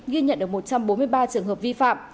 ghi nhận được một trăm bốn mươi ba trường hợp vi phạm